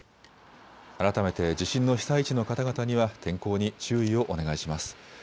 改めて地震の被災地の方々には天候に注意をお願いします。